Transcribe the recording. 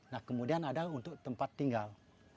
nah kemudian ada untuk tempat tinggal